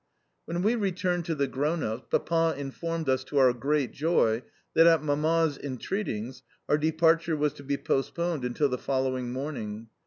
When we returned to the grown ups, Papa informed us, to our great joy, that, at Mamma's entreaties, our departure was to be postponed until the following morning.